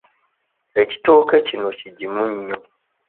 Ekitooke kino kigimu nnyo.